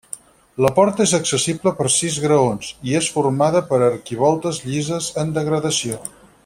La porta és accessible per sis graons, i és formada per arquivoltes llises en degradació.